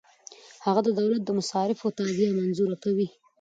هغه د دولت د مصارفو تادیه منظوره کوي.